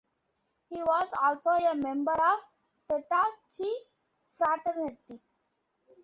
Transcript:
He was also a member of Theta Chi fraternity.